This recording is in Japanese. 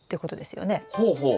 ほうほう。